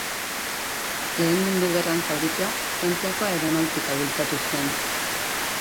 Lehen Mundu Gerran zauritua, Frantziako aeronautika bultzatu zuen.